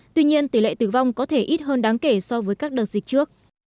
tuy nhiên tỷ lệ tử vong có thể ít hơn đáng kể so với các đợt dịch trước